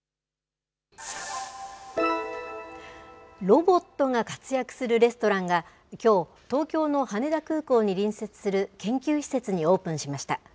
ロボットが活躍するレストランが、きょう、東京の羽田空港に隣接する研究施設にオープンしました。